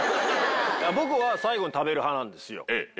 僕は最後に食べる派なんですよ。